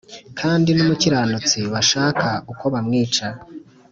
kandi numukiranutsi bashaka uko bamwica